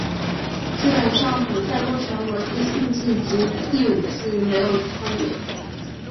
基本上比赛过程和第四季及第五季没有分别。